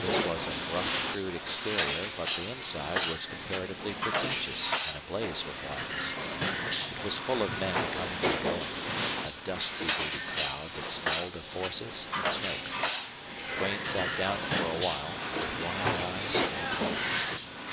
This was of rough crude exterior, but the inside was comparatively pretentious and ablaze with lights. It was full of men coming and going a dusty booted crowd that smelled of horses and smoke. Duane sat down for a while, with wide eyes and open ears.